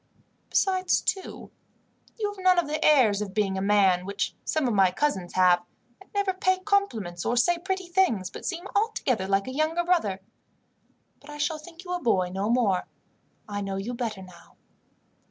Besides, too, you have none of the airs of being a man, which some of my cousins have; and never pay compliments or say pretty things, but seem altogether like a younger brother. But I shall think you a boy no more. I know you better now."